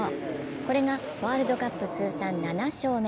これがワールドカップ通算７勝目。